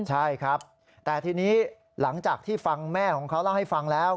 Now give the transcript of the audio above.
ใช่ครับแต่ทีนี้หลังจากที่ฟังแม่ของเขาเล่าให้ฟังแล้ว